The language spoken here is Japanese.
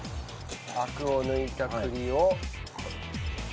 アクを抜いた栗を。